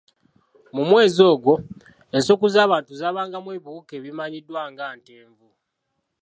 Mu mwezi ogwo, ensuku z'abantu zaabangamu ebiwuka ebimanyiddwa nga Ntenvu.